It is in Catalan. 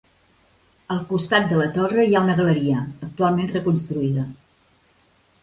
Al costat de la torre hi ha una galeria, actualment reconstruïda.